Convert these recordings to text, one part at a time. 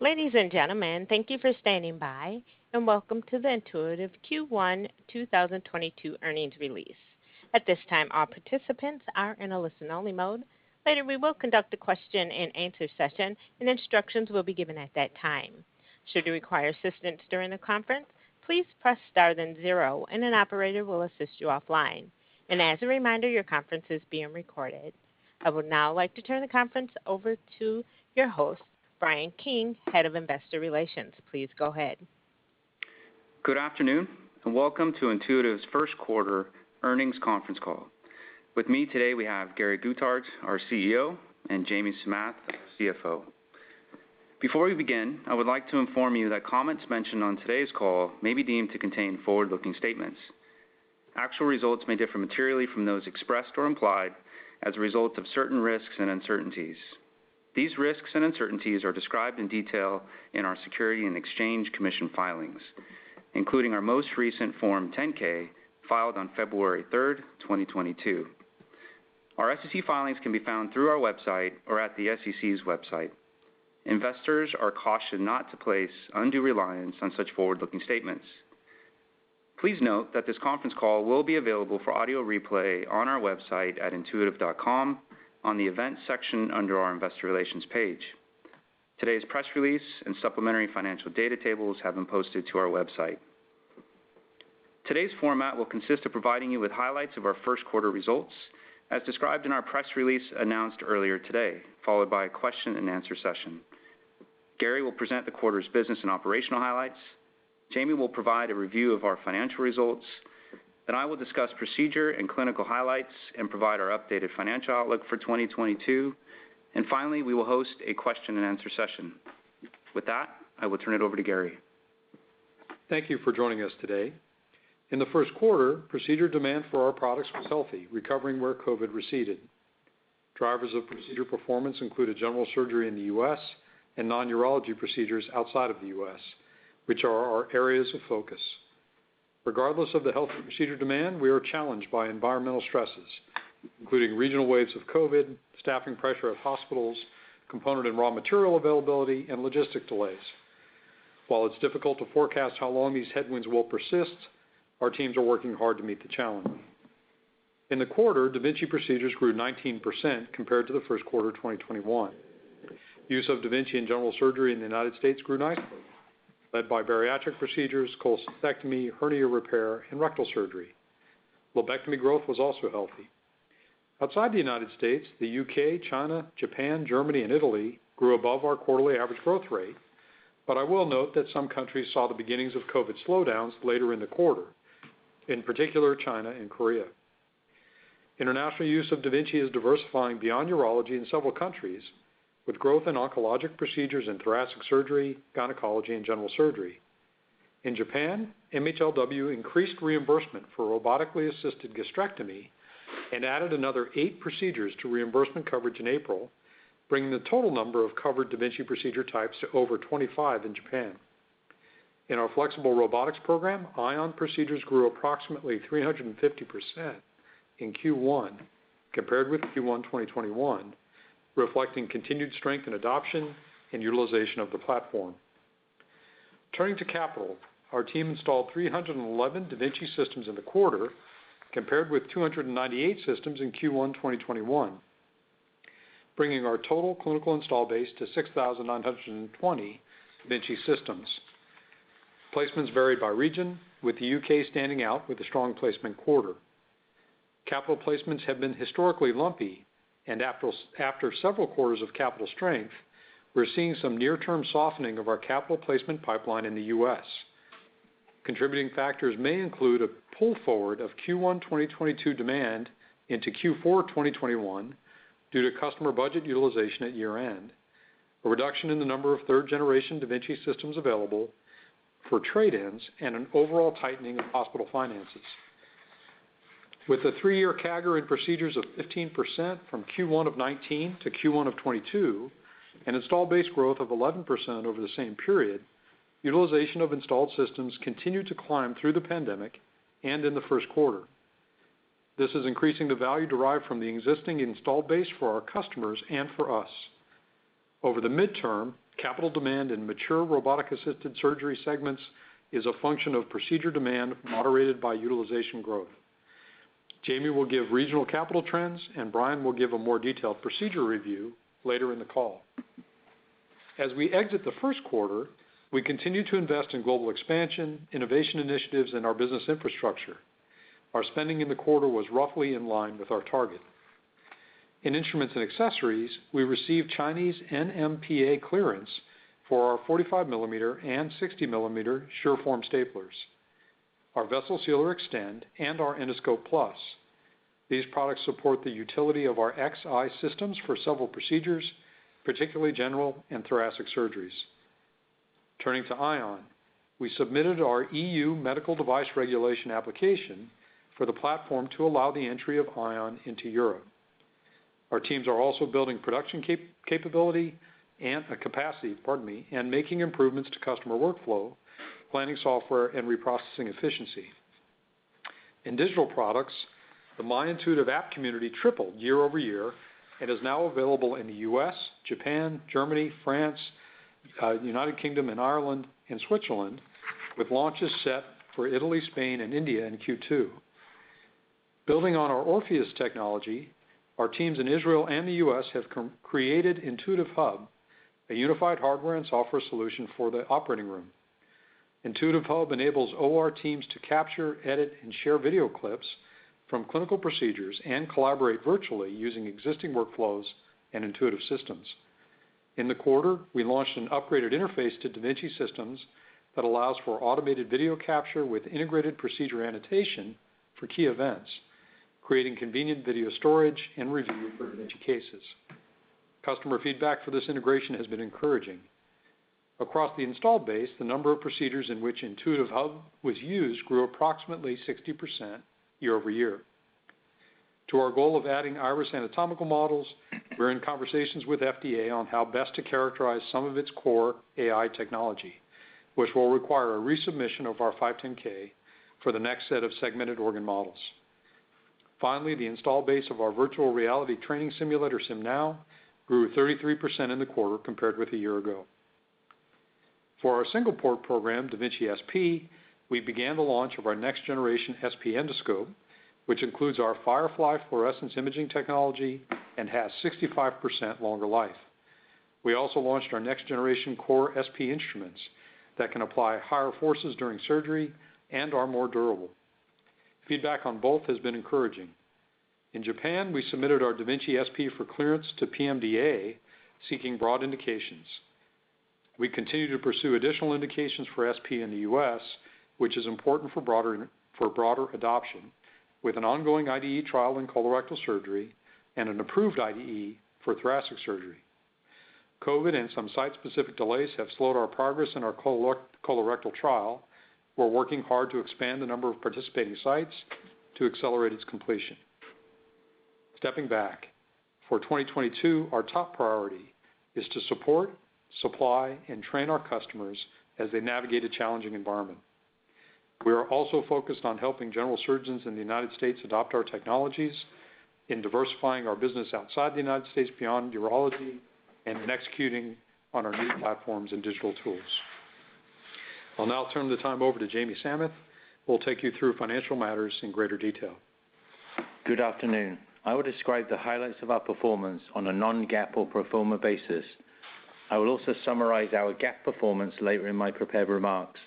Ladies and gentlemen, thank you for standing by, and welcome to the Intuitive Q1 2022 earnings release. At this time, all participants are in a listen-only mode. Later, we will conduct a question-and-answer session, and instructions will be given at that time. Should you require assistance during the conference, please press star then zero, and an operator will assist you offline. As a reminder, your conference is being recorded. I would now like to turn the conference over to your host, Brian King, Head of Investor Relations. Please go ahead. Good afternoon, and welcome to Intuitive's first quarter earnings conference call. With me today, we have Gary Guthart, our CEO, and Jamie Samath, CFO. Before we begin, I would like to inform you that comments mentioned on today's call may be deemed to contain forward-looking statements. Actual results may differ materially from those expressed or implied as a result of certain risks and uncertainties. These risks and uncertainties are described in detail in our Securities and Exchange Commission filings, including our most recent Form 10-K filed on February 3, 2022. Our SEC filings can be found through our website or at the SEC's website. Investors are cautioned not to place undue reliance on such forward-looking statements. Please note that this conference call will be available for audio replay on our website at intuitive.com on the Events section under our Investor Relations page. Today's press release and supplementary financial data tables have been posted to our website. Today's format will consist of providing you with highlights of our first quarter results, as described in our press release announced earlier today, followed by a question-and-answer session. Gary will present the quarter's business and operational highlights. Jamie will provide a review of our financial results. I will discuss procedure and clinical highlights and provide our updated financial outlook for 2022. Finally, we will host a question-and-answer session. With that, I will turn it over to Gary. Thank you for joining us today. In the first quarter, procedure demand for our products was healthy, recovering where COVID receded. Drivers of procedure performance included general surgery in the U.S. and non-urology procedures outside of the U.S., which are our areas of focus. Regardless of the health of procedure demand, we are challenged by environmental stresses, including regional waves of COVID, staffing pressure at hospitals, component and raw material availability, and logistic delays. While it's difficult to forecast how long these headwinds will persist, our teams are working hard to meet the challenge. In the quarter, da Vinci procedures grew 19% compared to the first quarter of 2021. Use of da Vinci in general surgery in the United States grew nicely, led by bariatric procedures, cholecystectomy, hernia repair, and rectal surgery. Lobectomy growth was also healthy. Outside the United States, the U.K., China, Japan, Germany, and Italy grew above our quarterly average growth rate, but I will note that some countries saw the beginnings of COVID slowdowns later in the quarter, in particular, China and Korea. International use of da Vinci is diversifying beyond urology in several countries, with growth in oncologic procedures in thoracic surgery, gynecology, and general surgery. In Japan, MHLW increased reimbursement for robotically assisted gastrectomy and added another eight procedures to reimbursement coverage in April, bringing the total number of covered da Vinci procedure types to over 25 in Japan. In our flexible robotics program, Ion procedures grew approximately 350% in Q1 compared with Q1 2021, reflecting continued strength in adoption and utilization of the platform. Turning to capital, our team installed 311 da Vinci systems in the quarter, compared with 298 systems in Q1 2021, bringing our total clinical install base to 6,920 da Vinci systems. Placements varied by region, with the U.K. standing out with a strong placement quarter. Capital placements have been historically lumpy, and after several quarters of capital strength, we're seeing some near-term softening of our capital placement pipeline in the U.S. Contributing factors may include a pull forward of Q1 2022 demand into Q4 2021 due to customer budget utilization at year-end, a reduction in the number of third-generation da Vinci systems available for trade-ins, and an overall tightening of hospital finances. With a three-year CAGR in procedures of 15% from Q1 of 2019 to Q1 of 2022, an installed base growth of 11% over the same period, utilization of installed systems continued to climb through the pandemic and in the first quarter. This is increasing the value derived from the existing installed base for our customers and for us. Over the midterm, capital demand in mature robotic-assisted surgery segments is a function of procedure demand moderated by utilization growth. Jamie will give regional capital trends, and Brian will give a more detailed procedure review later in the call. As we exit the first quarter, we continue to invest in global expansion, innovation initiatives, and our business infrastructure. Our spending in the quarter was roughly in line with our target. In instruments and accessories, we received Chinese NMPA clearance for our 45-mm and 60-mm SureForm staplers, our Vessel Sealer Extend, and our Endoscope Plus. These products support the utility of our Xi systems for several procedures, particularly general and thoracic surgeries. Turning to Ion, we submitted our EU Medical Device Regulation application for the platform to allow the entry of Ion into Europe. Our teams are also building production capacity, pardon me, and making improvements to customer workflow, planning software, and reprocessing efficiency. In digital products, the My Intuitive app community tripled year-over-year and is now available in the U.S., Japan, Germany, France, United Kingdom and Ireland and Switzerland, with launches set for Italy, Spain and India in Q2. Building on our Orpheus technology, our teams in Israel and the U.S. have created Intuitive Hub, a unified hardware and software solution for the operating room. Intuitive Hub enables OR teams to capture, edit and share video clips from clinical procedures and collaborate virtually using existing workflows and Intuitive systems. In the quarter, we launched an upgraded interface to da Vinci systems that allows for automated video capture with integrated procedure annotation for key events, creating convenient video storage and review for da Vinci cases. Customer feedback for this integration has been encouraging. Across the installed base, the number of procedures in which Intuitive Hub was used grew approximately 60% year-over-year. To our goal of adding Iris anatomical models, we're in conversations with FDA on how best to characterize some of its core AI technology, which will require a resubmission of our 510(k) for the next set of segmented organ models. Finally, the installed base of our virtual reality training simulator, SimNow, grew 33% in the quarter compared with a year ago. For our single port program, da Vinci SP, we began the launch of our next generation SP endoscope, which includes our Firefly fluorescence imaging technology and has 65% longer life. We also launched our next generation core SP instruments that can apply higher forces during surgery and are more durable. Feedback on both has been encouraging. In Japan, we submitted our da Vinci SP for clearance to PMDA seeking broad indications. We continue to pursue additional indications for SP in the U.S., which is important for broader adoption with an ongoing IDE trial in colorectal surgery and an approved IDE for thoracic surgery. COVID and some site-specific delays have slowed our progress in our colorectal trial. We're working hard to expand the number of participating sites to accelerate its completion. Stepping back, for 2022, our top priority is to support, supply and train our customers as they navigate a challenging environment. We are also focused on helping general surgeons in the United States adopt our technologies in diversifying our business outside the United States beyond urology and in executing on our new platforms and digital tools. I'll now turn the time over to Jamie Samath, who will take you through financial matters in greater detail. Good afternoon. I will describe the highlights of our performance on a non-GAAP or pro forma basis. I will also summarize our GAAP performance later in my prepared remarks.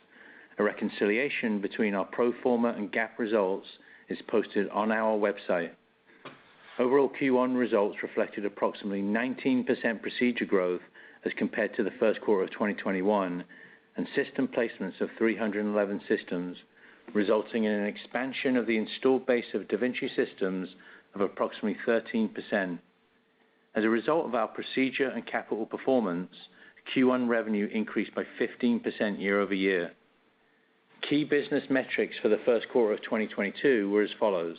A reconciliation between our pro forma and GAAP results is posted on our website. Overall Q1 results reflected approximately 19% procedure growth as compared to the first quarter of 2021 and system placements of 311 systems, resulting in an expansion of the installed base of da Vinci systems of approximately 13%. As a result of our procedure and capital performance, Q1 revenue increased by 15% year-over-year. Key business metrics for the first quarter of 2022 were as follows.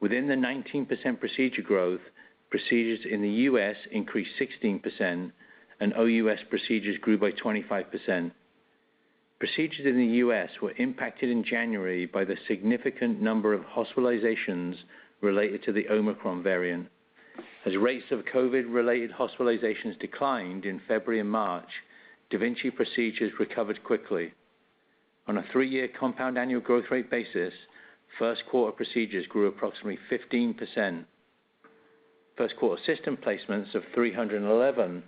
Within the 19% procedure growth, procedures in the U.S. increased 16%, and OUS procedures grew by 25%. Procedures in the U.S. were impacted in January by the significant number of hospitalizations related to the Omicron variant. As rates of COVID related hospitalizations declined in February and March, da Vinci procedures recovered quickly. On a three-year compound annual growth rate basis, first quarter procedures grew approximately 15%. First quarter system placements of 311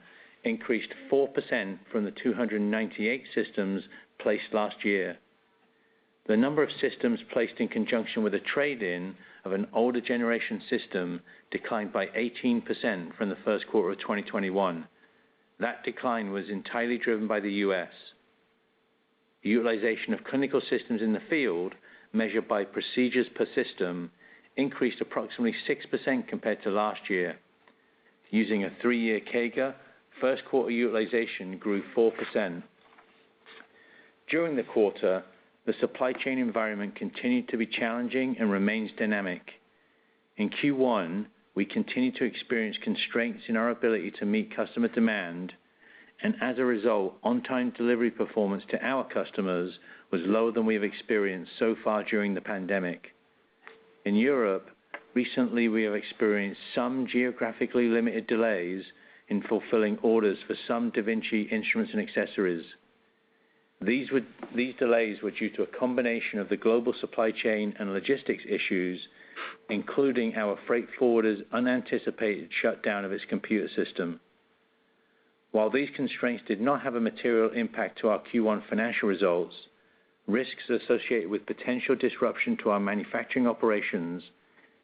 increased 4% from the 298 systems placed last year. The number of systems placed in conjunction with a trade-in of an older generation system declined by 18% from the first quarter of 2021. That decline was entirely driven by the U.S. Utilization of clinical systems in the field, measured by procedures per system, increased approximately 6% compared to last year. Using a three-year CAGR, first quarter utilization grew 4%. During the quarter, the supply chain environment continued to be challenging and remains dynamic. In Q1, we continued to experience constraints in our ability to meet customer demand and as a result, on-time delivery performance to our customers was lower than we have experienced so far during the pandemic. In Europe, recently we have experienced some geographically limited delays in fulfilling orders for some da Vinci instruments and accessories. These delays were due to a combination of the global supply chain and logistics issues, including our freight forwarder's unanticipated shutdown of its computer system. While these constraints did not have a material impact to our Q1 financial results, risks associated with potential disruption to our manufacturing operations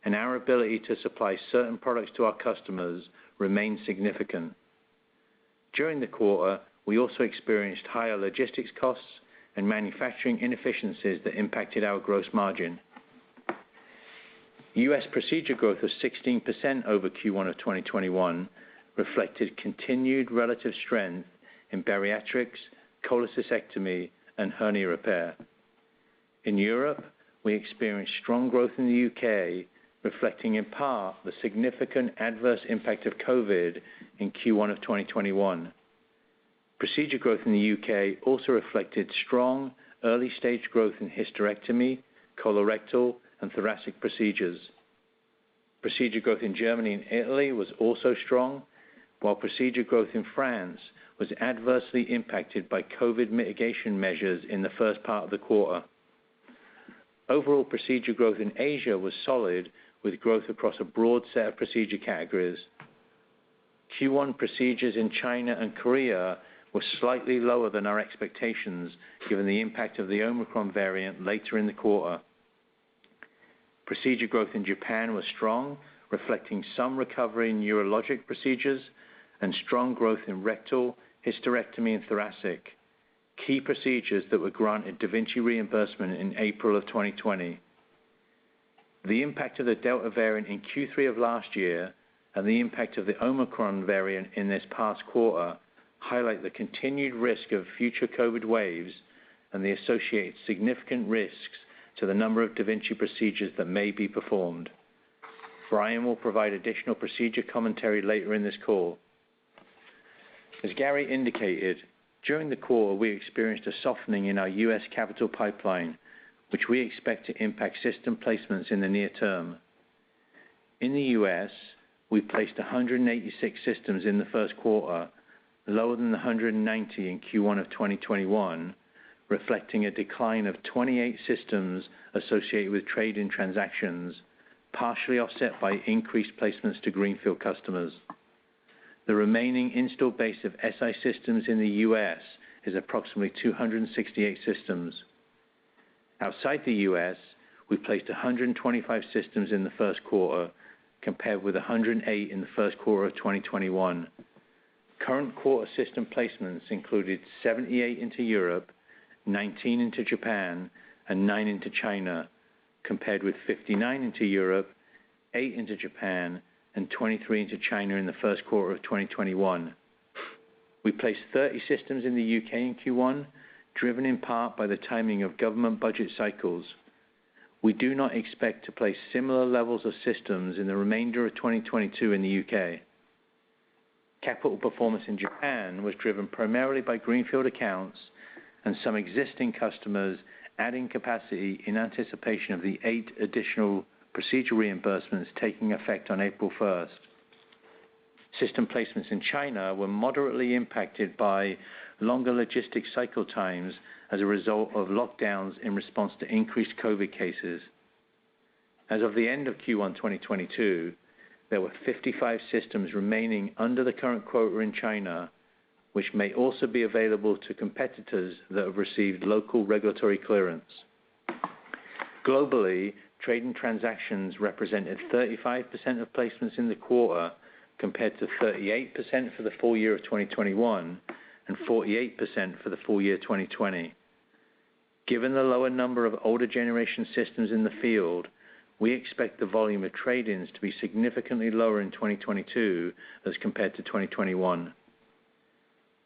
and our ability to supply certain products to our customers remain significant. During the quarter, we also experienced higher logistics costs and manufacturing inefficiencies that impacted our gross margin. U.S. procedure growth of 16% over Q1 of 2021 reflected continued relative strength in bariatrics, cholecystectomy, and hernia repair. In Europe, we experienced strong growth in the U.K., reflecting in part the significant adverse impact of COVID in Q1 of 2021. Procedure growth in the U.K. also reflected strong early stage growth in hysterectomy, colorectal, and thoracic procedures. Procedure growth in Germany and Italy was also strong, while procedure growth in France was adversely impacted by COVID mitigation measures in the first part of the quarter. Overall procedure growth in Asia was solid, with growth across a broad set of procedure categories. Q1 procedures in China and Korea were slightly lower than our expectations given the impact of the Omicron variant later in the quarter. Procedure growth in Japan was strong, reflecting some recovery in urologic procedures and strong growth in rectal, hysterectomy, and thoracic, key procedures that were granted da Vinci reimbursement in April of 2020. The impact of the Delta variant in Q3 of last year and the impact of the Omicron variant in this past quarter highlight the continued risk of future COVID waves and the associated significant risks to the number of da Vinci procedures that may be performed. Brian will provide additional procedure commentary later in this call. As Gary indicated, during the quarter, we experienced a softening in our U.S. capital pipeline, which we expect to impact system placements in the near term. In the U.S., we placed 186 systems in the first quarter, lower than the 190 in Q1 of 2021, reflecting a decline of 28 systems associated with trade-in transactions, partially offset by increased placements to greenfield customers. The remaining installed base of Si systems in the U.S. is approximately 268 systems. Outside the U.S., we placed 125 systems in the first quarter compared with 108 in the first quarter of 2021. Current quarter system placements included 78 into Europe, 19 into Japan, and nine into China, compared with 59 into Europe, eight into Japan, and 23 into China in the first quarter of 2021. We placed 30 systems in the U.K. in Q1, driven in part by the timing of government budget cycles. We do not expect to place similar levels of systems in the remainder of 2022 in the U.K. Capital performance in Japan was driven primarily by greenfield accounts and some existing customers adding capacity in anticipation of the eight additional procedure reimbursements taking effect on April 1. System placements in China were moderately impacted by longer logistics cycle times as a result of lockdowns in response to increased COVID cases. As of the end of Q1 2022, there were 55 systems remaining under the current quota in China, which may also be available to competitors that have received local regulatory clearance. Globally, trade-in transactions represented 35% of placements in the quarter, compared to 38% for the full year of 2021 and 48% for the full year 2020. Given the lower number of older generation systems in the field, we expect the volume of trade-ins to be significantly lower in 2022 as compared to 2021.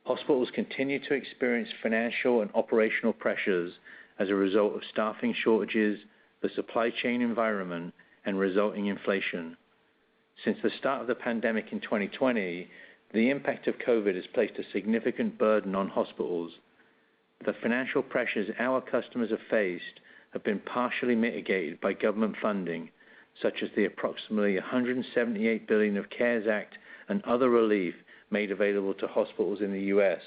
Hospitals continue to experience financial and operational pressures as a result of staffing shortages, the supply chain environment, and resulting inflation. Since the start of the pandemic in 2020, the impact of COVID has placed a significant burden on hospitals. The financial pressures our customers have faced have been partially mitigated by government funding, such as the approximately $178 billion of CARES Act and other relief made available to hospitals in the U.S.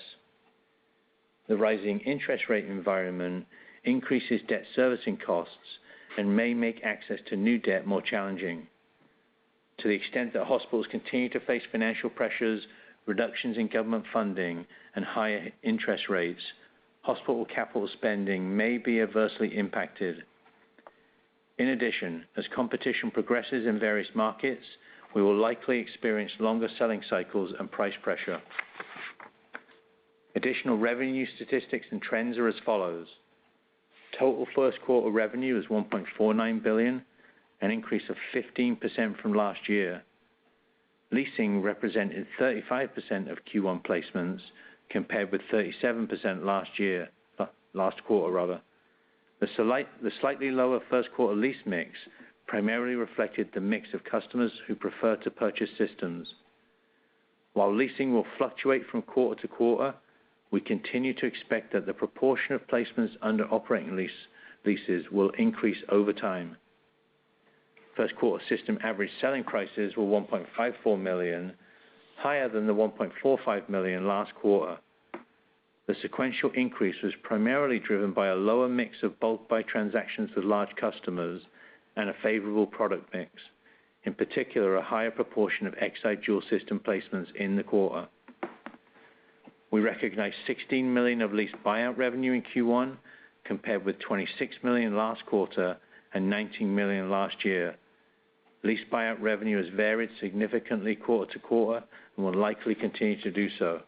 The rising interest rate environment increases debt servicing costs and may make access to new debt more challenging. To the extent that hospitals continue to face financial pressures, reductions in government funding and higher interest rates, hospital capital spending may be adversely impacted. In addition, as competition progresses in various markets, we will likely experience longer selling cycles and price pressure. Additional revenue statistics and trends are as follows. Total first quarter revenue is $1.49 billion, an increase of 15% from last year. Leasing represented 35% of Q1 placements compared with 37% last quarter. The slightly lower first quarter lease mix primarily reflected the mix of customers who prefer to purchase systems. While leasing will fluctuate from quarter to quarter, we continue to expect that the proportion of placements under operating leases will increase over time. First quarter system average selling prices were $1.54 million, higher than the $1.45 million last quarter. The sequential increase was primarily driven by a lower mix of bulk buy transactions with large customers and a favorable product mix, in particular, a higher proportion of Xi dual system placements in the quarter. We recognized $16 million of lease buyout revenue in Q1 compared with $26 million last quarter and $19 million last year. Lease buyout revenue has varied significantly quarter to quarter and will likely continue to do so.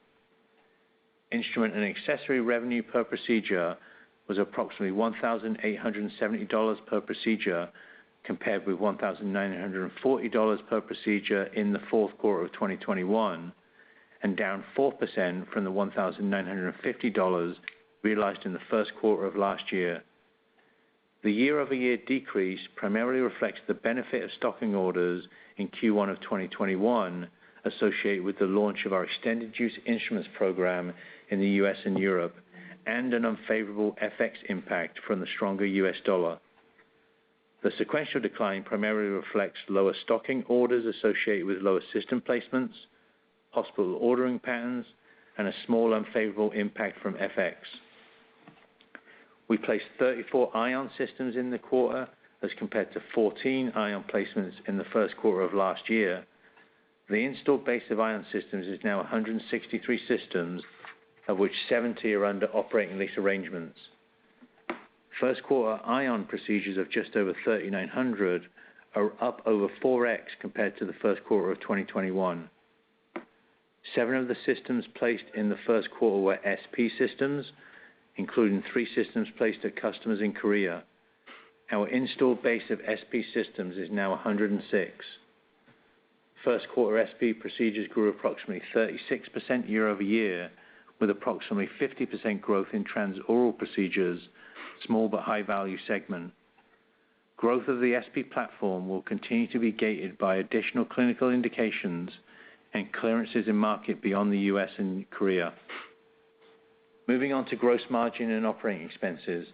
Instrument and accessory revenue per procedure was approximately $1,870 per procedure compared with $1,940 per procedure in the fourth quarter of 2021, and down 4% from the $1,950 realized in the first quarter of last year. The year-over-year decrease primarily reflects the benefit of stocking orders in Q1 of 2021, associated with the launch of our extended use instruments program in the U.S. and Europe, and an unfavorable FX impact from the stronger US dollar. The sequential decline primarily reflects lower stocking orders associated with lower system placements, hospital ordering patterns, and a small unfavorable impact from FX. We placed 34 Ion systems in the quarter as compared to 14 Ion placements in the first quarter of last year. The installed base of Ion systems is now 163 systems, of which 70 are under operating lease arrangements. First quarter Ion procedures of just over 3,900 are up over 4x compared to the first quarter of 2021. Seven of the systems placed in the first quarter were SP systems, including three systems placed at customers in Korea. Our installed base of SP systems is now 106. First quarter SP procedures grew approximately 36% year-over-year, with approximately 50% growth in transoral procedures, small but high-value segment. Growth of the SP platform will continue to be gated by additional clinical indications and clearances in markets beyond the U.S. and Korea. Moving on to gross margin and operating expenses.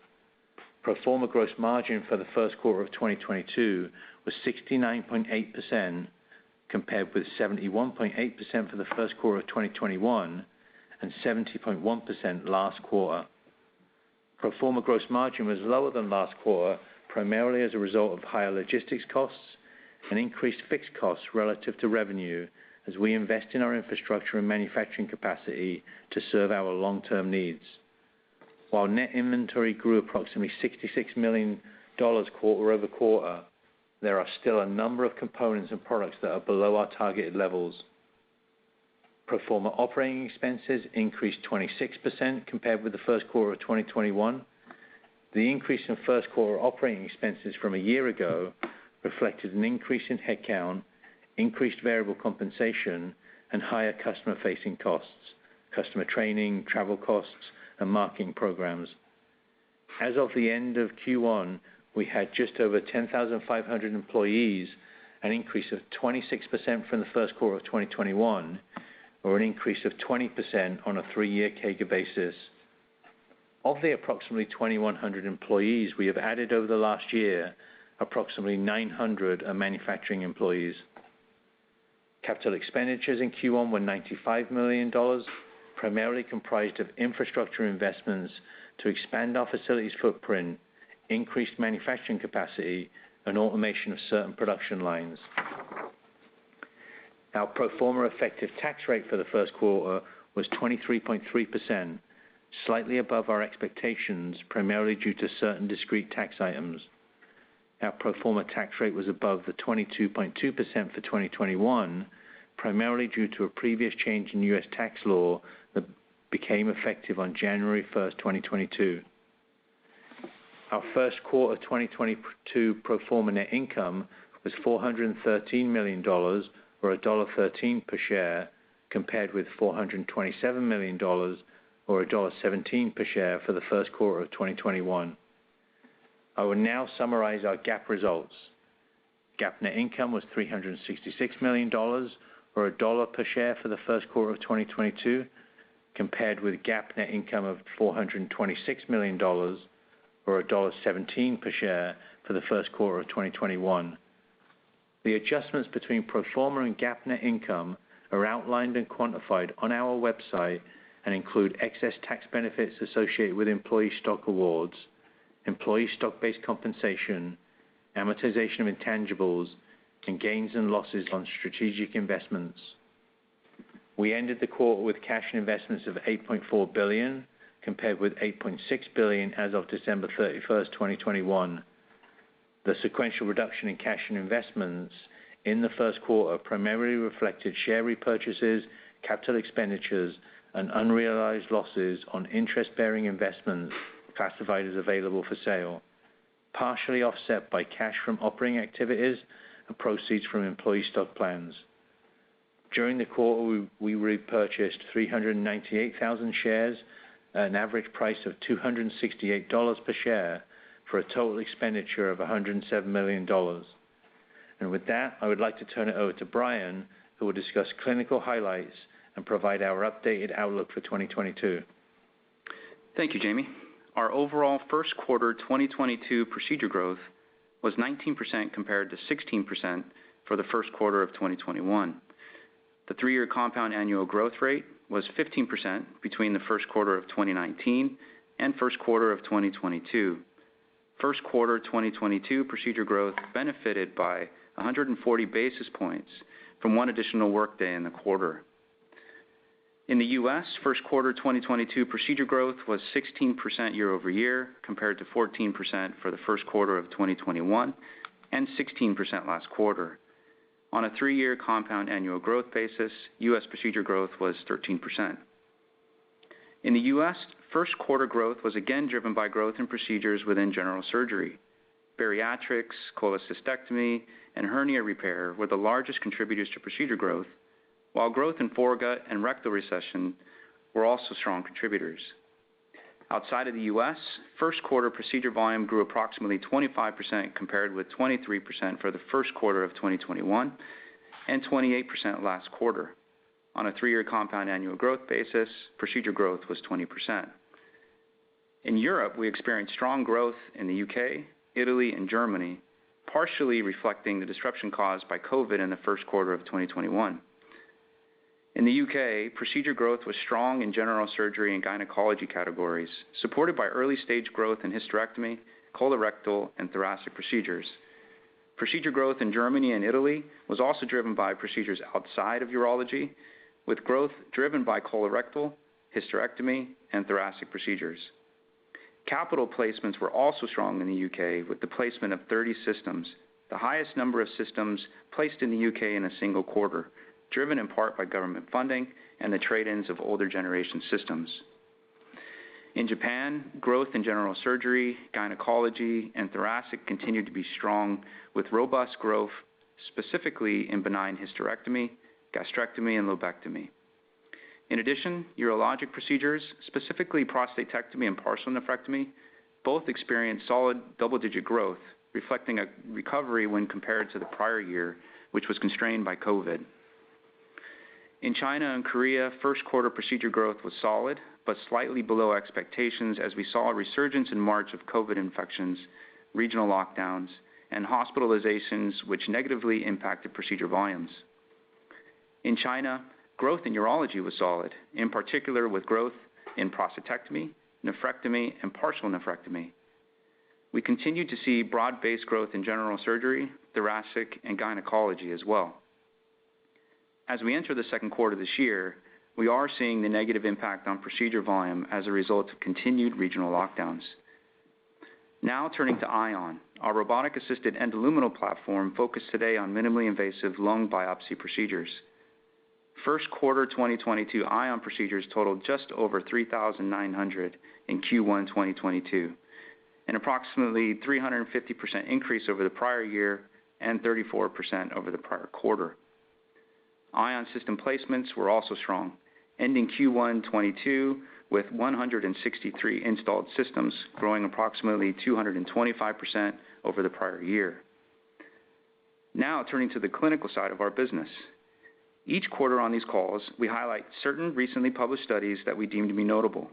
Pro forma gross margin for the first quarter of 2022 was 69.8% compared with 71.8% for the first quarter of 2021, and 70.1% last quarter. Pro forma gross margin was lower than last quarter, primarily as a result of higher logistics costs and increased fixed costs relative to revenue as we invest in our infrastructure and manufacturing capacity to serve our long-term needs. While net inventory grew approximately $66 million quarter-over-quarter, there are still a number of components and products that are below our targeted levels. Pro forma operating expenses increased 26% compared with the first quarter of 2021. The increase in first quarter operating expenses from a year ago reflected an increase in headcount, increased variable compensation, and higher customer-facing costs, customer training, travel costs, and marketing programs. As of the end of Q1, we had just over 10,500 employees, an increase of 26% from the first quarter of 2021, or an increase of 20% on a three-year CAGR basis. Of the approximately 2,100 employees we have added over the last year, approximately 900 are manufacturing employees. Capital expenditures in Q1 were $95 million, primarily comprised of infrastructure investments to expand our facilities footprint, increased manufacturing capacity, and automation of certain production lines. Our pro forma effective tax rate for the first quarter was 23.3%, slightly above our expectations, primarily due to certain discrete tax items. Our pro forma tax rate was above the 22.2% for 2021, primarily due to a previous change in U.S. tax law that became effective on January 1, 2022. Our first quarter 2022 pro forma net income was $413 million or $1.13 per share, compared with $427 million or $1.17 per share for the first quarter of 2021. I will now summarize our GAAP results. GAAP net income was $366 million or $1 per share for the first quarter of 2022, compared with GAAP net income of $426 million or $1.17 per share for the first quarter of 2021. The adjustments between pro forma and GAAP net income are outlined and quantified on our website and include excess tax benefits associated with employee stock awards, employee stock-based compensation, amortization of intangibles, and gains and losses on strategic investments. We ended the quarter with cash and investments of $8.4 billion, compared with $8.6 billion as of December 31, 2021. The sequential reduction in cash and investments in the first quarter primarily reflected share repurchases, capital expenditures, and unrealized losses on interest-bearing investments classified as available for sale, partially offset by cash from operating activities and proceeds from employee stock plans. During the quarter, we repurchased 398,000 shares at an average price of $268 per share for a total expenditure of $107 million. With that, I would like to turn it over to Brian, who will discuss clinical highlights and provide our updated outlook for 2022. Thank you, Jamie. Our overall first quarter 2022 procedure growth was 19% compared to 16% for the first quarter of 2021. The three-year compound annual growth rate was 15% between the first quarter of 2019 and first quarter of 2022. First quarter 2022 procedure growth benefited by 140 basis points from one additional workday in the quarter. In the U.S., first quarter 2022 procedure growth was 16% year-over-year compared to 14% for the first quarter of 2021, and 16% last quarter. On a three-year compound annual growth basis, U.S. procedure growth was 13%. In the U.S., first quarter growth was again driven by growth in procedures within general surgery. Bariatrics, cholecystectomy, and hernia repair were the largest contributors to procedure growth. While growth in foregut and rectal resection were also strong contributors. Outside of the U.S., first quarter procedure volume grew approximately 25% compared with 23% for the first quarter of 2021, and 28% last quarter. On a three-year compound annual growth basis, procedure growth was 20%. In Europe, we experienced strong growth in the U.K., Italy, and Germany, partially reflecting the disruption caused by COVID in the first quarter of 2021. In the U.K., procedure growth was strong in general surgery and gynecology categories, supported by early-stage growth in hysterectomy, colorectal, and thoracic procedures. Procedure growth in Germany and Italy was also driven by procedures outside of urology, with growth driven by colorectal, hysterectomy, and thoracic procedures. Capital placements were also strong in the U.K., with the placement of 30 systems, the highest number of systems placed in the U.K. in a single quarter, driven in part by government funding and the trade-ins of older generation systems. In Japan, growth in general surgery, gynecology, and thoracic continued to be strong, with robust growth specifically in benign hysterectomy, gastrectomy, and lobectomy. In addition, urologic procedures, specifically prostatectomy and partial nephrectomy, both experienced solid double-digit growth, reflecting a recovery when compared to the prior year, which was constrained by COVID. In China and Korea, first quarter procedure growth was solid, but slightly below expectations as we saw a resurgence in March of COVID infections, regional lockdowns, and hospitalizations which negatively impacted procedure volumes. In China, growth in urology was solid, in particular with growth in prostatectomy, nephrectomy, and partial nephrectomy. We continued to see broad-based growth in general surgery, thoracic and gynecology as well. As we enter the second quarter this year, we are seeing the negative impact on procedure volume as a result of continued regional lockdowns. Now turning to Ion, our robotic-assisted endoluminal platform focused today on minimally invasive lung biopsy procedures. First quarter 2022 Ion procedures totaled just over 3,900 in Q1 2022, an approximately 350% increase over the prior year and 34% over the prior quarter. Ion system placements were also strong, ending Q1 2022 with 163 installed systems, growing approximately 225% over the prior year. Now turning to the clinical side of our business. Each quarter on these calls, we highlight certain recently published studies that we deem to be notable.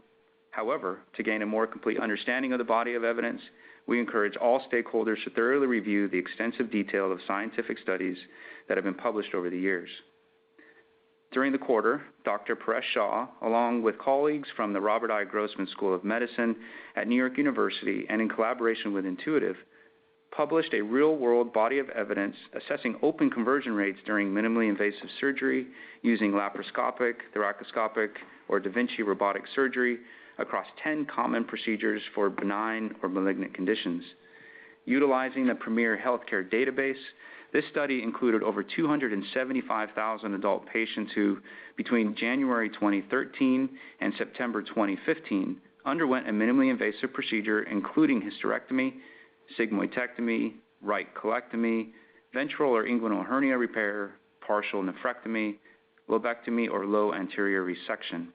However, to gain a more complete understanding of the body of evidence, we encourage all stakeholders to thoroughly review the extensive detail of scientific studies that have been published over the years. During the quarter, Dr. Paresh Shah, along with colleagues from the NYU Robert I. Grossman School of Medicine at New York University and in collaboration with Intuitive, published a real-world body of evidence assessing open conversion rates during minimally invasive surgery using laparoscopic, thoracoscopic, or da Vinci robotic surgery across 10 common procedures for benign or malignant conditions. Utilizing a premier healthcare database, this study included over 275,000 adult patients who, between January 2013 and September 2015, underwent a minimally invasive procedure, including hysterectomy, sigmoidectomy, right colectomy, ventral or inguinal hernia repair, partial nephrectomy, lobectomy, or low anterior resection.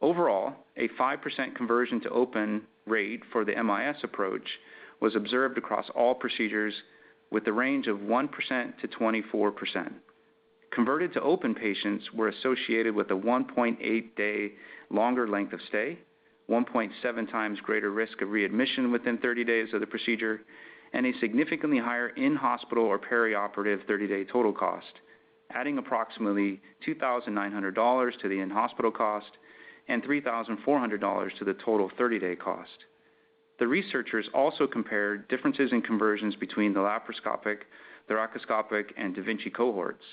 Overall, a 5% conversion to open rate for the MIS approach was observed across all procedures with a range of 1%-24%. Converted to open patients were associated with a 1.8-day longer length of stay, 1.7x greater risk of readmission within 30 days of the procedure, and a significantly higher in-hospital or perioperative 30-day total cost, adding approximately $2,900 to the in-hospital cost and $3,400 to the total 30-day cost. The researchers also compared differences in conversions between the laparoscopic, thoracoscopic, and da Vinci cohorts.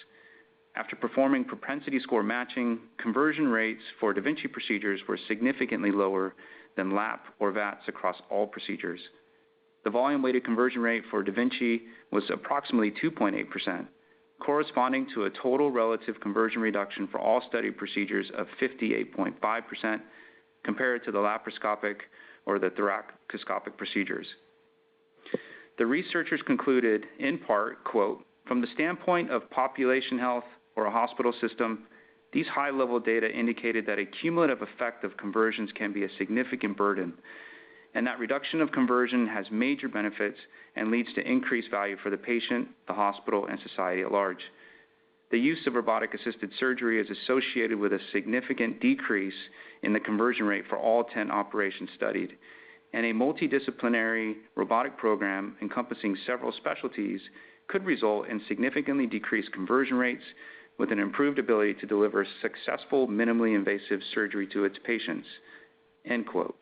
After performing propensity score matching, conversion rates for da Vinci procedures were significantly lower than lap or VATS across all procedures. The volume-weighted conversion rate for da Vinci was approximately 2.8%, corresponding to a total relative conversion reduction for all study procedures of 58.5% compared to the laparoscopic or the thoracoscopic procedures. The researchers concluded in part, quote, "From the standpoint of population health or a hospital system, these high level data indicated that a cumulative effect of conversions can be a significant burden, and that reduction of conversion has major benefits and leads to increased value for the patient, the hospital, and society at large. The use of robotic-assisted surgery is associated with a significant decrease in the conversion rate for all 10 operations studied, and a multidisciplinary robotic program encompassing several specialties could result in significantly decreased conversion rates with an improved ability to deliver successful, minimally invasive surgery to its patients." End quote.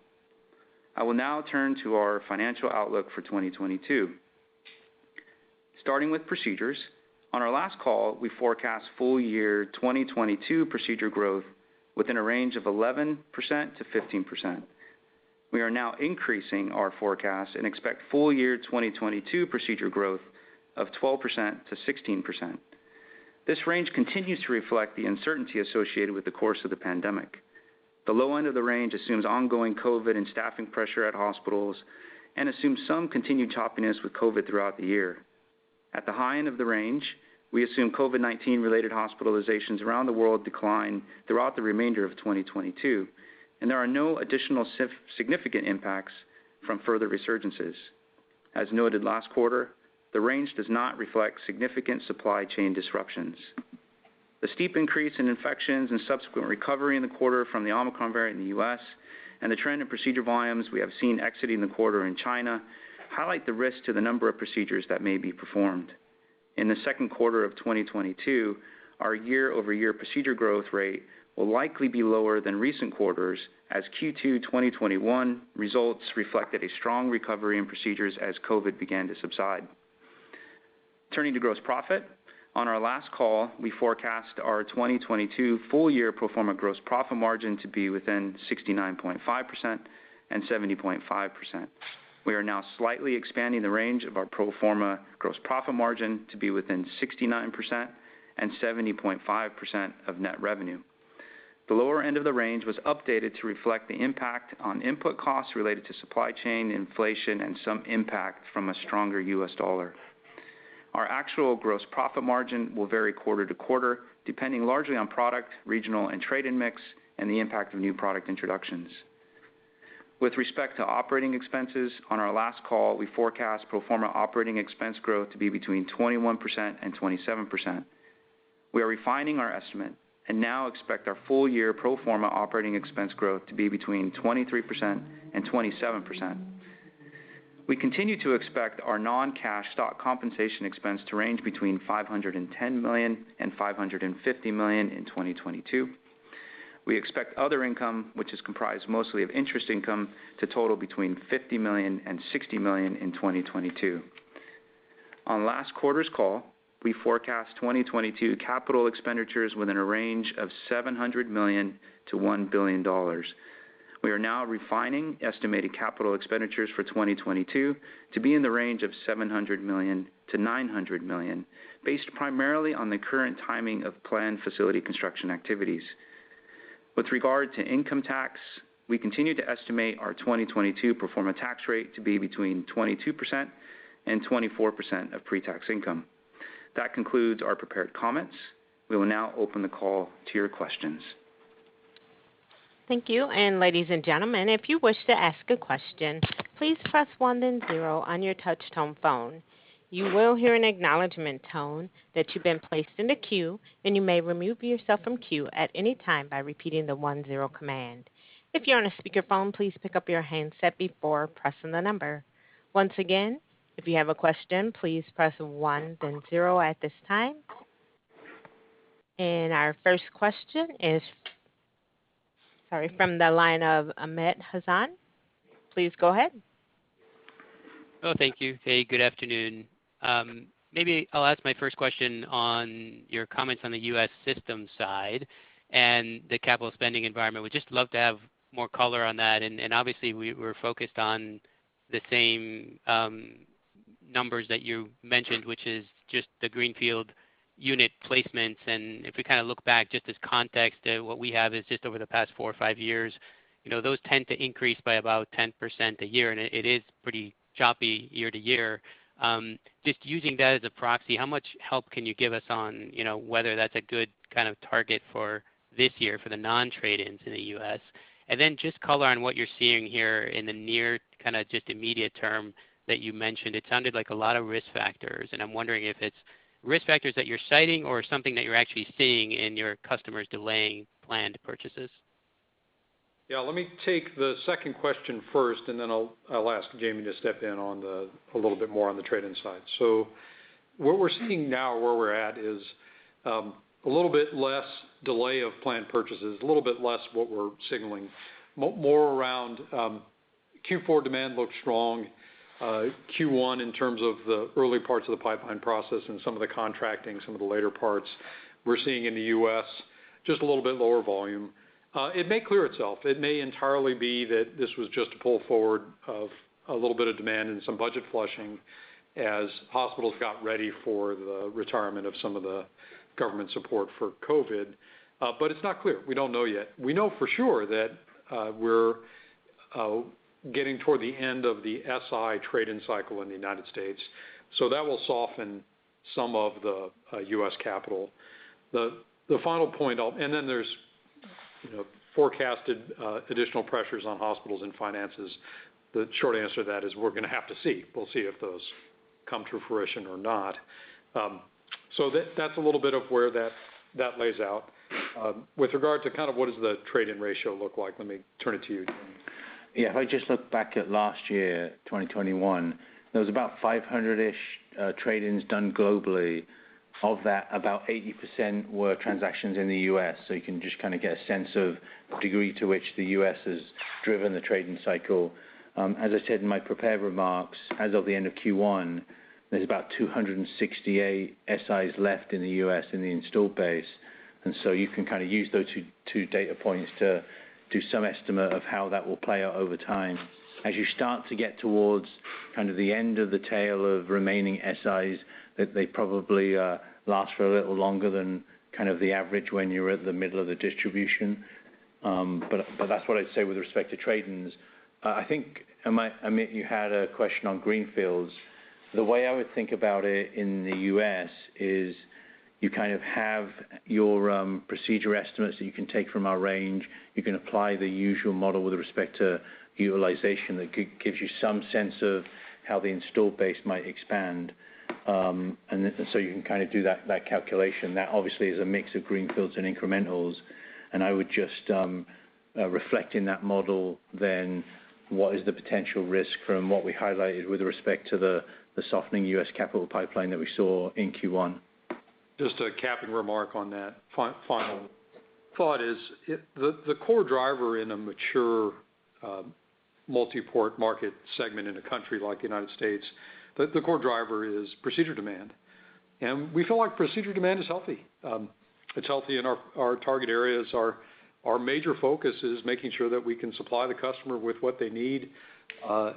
I will now turn to our financial outlook for 2022. Starting with procedures. On our last call, we forecast full year 2022 procedure growth within a range of 11%-15%. We are now increasing our forecast and expect full year 2022 procedure growth of 12%-16%. This range continues to reflect the uncertainty associated with the course of the pandemic. The low end of the range assumes ongoing COVID and staffing pressure at hospitals and assumes some continued choppiness with COVID throughout the year. At the high end of the range, we assume COVID-19 related hospitalizations around the world decline throughout the remainder of 2022, and there are no additional significant impacts from further resurgences. As noted last quarter, the range does not reflect significant supply chain disruptions. The steep increase in infections and subsequent recovery in the quarter from the Omicron variant in the U.S. and the trend in procedure volumes we have seen exiting the quarter in China highlight the risk to the number of procedures that may be performed. In the second quarter of 2022, our year-over-year procedure growth rate will likely be lower than recent quarters as Q2 2021 results reflected a strong recovery in procedures as COVID began to subside. Turning to gross profit. On our last call, we forecast our 2022 full year pro forma gross profit margin to be within 69.5% and 70.5%. We are now slightly expanding the range of our pro forma gross profit margin to be within 69% and 70.5% of net revenue. The lower end of the range was updated to reflect the impact on input costs related to supply chain inflation and some impact from a stronger U.S. dollar. Our actual gross profit margin will vary quarter to quarter, depending largely on product, regional and trade-in mix and the impact of new product introductions. With respect to operating expenses, on our last call, we forecast pro forma operating expense growth to be between 21%-27%. We are refining our estimate and now expect our full-year pro forma operating expense growth to be between 23%-27%. We continue to expect our non-cash stock compensation expense to range between $510 million and $550 million in 2022. We expect other income, which is comprised mostly of interest income, to total between $50 million and $60 million in 2022. On last quarter's call, we forecast 2022 capital expenditures within a range of $700 million to $1 billion. We are now refining estimated capital expenditures for 2022 to be in the range of $700 million-$900 million, based primarily on the current timing of planned facility construction activities. With regard to income tax, we continue to estimate our 2022 pro forma tax rate to be between 22% and 24% of pre-tax income. That concludes our prepared comments. We will now open the call to your questions. Thank you. Ladies and gentlemen, if you wish to ask a question, please press one then zero on your touch tone phone. You will hear an acknowledgment tone that you've been placed in a queue, and you may remove yourself from queue at any time by repeating the one zero command. If you're on a speaker phone, please pick up your handset before pressing the number. Once again, if you have a question, please press one then zero at this time. Our first question is, sorry, from the line of Amit Hazan. Please go ahead. Oh, thank you. Hey, good afternoon. Maybe I'll ask my first question on your comments on the U.S. system side and the capital spending environment. Would just love to have more color on that. Obviously we're focused on the same numbers that you mentioned, which is just the greenfield unit placements. If we kind of look back just as context, what we have is just over the past four or five years, you know, those tend to increase by about 10% a year, and it is pretty choppy year-to-year. Just using that as a proxy, how much help can you give us on, you know, whether that's a good kind of target for this year for the non-trade-ins in the U.S.? Then just color on what you're seeing here in the near kind of just immediate term that you mentioned. It sounded like a lot of risk factors, and I'm wondering if it's risk factors that you're citing or something that you're actually seeing in your customers delaying planned purchases. Yeah. Let me take the second question first, and then I'll ask Jamie to step in on a little bit more on the trade-in side. What we're seeing now, where we're at is a little bit less delay of planned purchases, a little bit less what we're signaling. More around Q4 demand looks strong. Q1 in terms of the early parts of the pipeline process and some of the contracting, some of the later parts we're seeing in the U.S., just a little bit lower volume. It may clear itself. It may entirely be that this was just a pull forward of a little bit of demand and some budget flushing as hospitals got ready for the retirement of some of the government support for COVID. But it's not clear. We don't know yet. We know for sure that we're getting toward the end of the SI trade-in cycle in the United States, so that will soften some of the U.S. capital. The final point, and then there's, you know, forecasted additional pressures on hospitals and finances. The short answer to that is we're going to have to see. We'll see if those come to fruition or not. That's a little bit of where that lays out. With regard to kind of what does the trade-in ratio look like, let me turn it to you, Jamie. Yeah. If I just look back at last year, 2021, there was about 500-ish trade-ins done globally. Of that, about 80% were transactions in the U.S. You can just kind of get a sense of the degree to which the U.S. has driven the trade-in cycle. As I said in my prepared remarks, as of the end of Q1, there's about 268 Si's left in the U.S. in the installed base. You can kind of use those two data points to do some estimate of how that will play out over time. As you start to get towards kind of the end of the tail of remaining SIs, that they probably last for a little longer than kind of the average when you're at the middle of the distribution. But that's what I'd say with respect to trade-ins. I think, Amit, you had a question on greenfields. The way I would think about it in the U.S. is you kind of have your procedure estimates that you can take from our range. You can apply the usual model with respect to utilization that gives you some sense of how the installed base might expand. So you can kind of do that calculation. That obviously is a mix of greenfields and incrementals, and I would just reflect in that model then what is the potential risk from what we highlighted with respect to the softening U.S. capital pipeline that we saw in Q1. Just a capping remark on that. Final thought is the core driver in a mature multi-port market segment in a country like the United States is procedure demand. We feel like procedure demand is healthy. It's healthy in our target areas. Our major focus is making sure that we can supply the customer with what they need